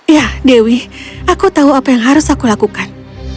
ya dewi aku tahu apa yang harus aku lakukan